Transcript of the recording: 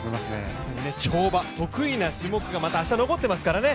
まさに跳馬、得意な種目が明日残っていますからね。